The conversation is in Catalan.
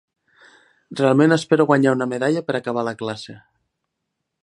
Realment espero guanyar una medalla per acabar la classe.